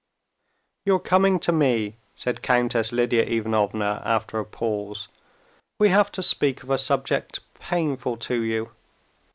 "You're coming to me," said Countess Lidia Ivanovna, after a pause; "we have to speak of a subject painful for you.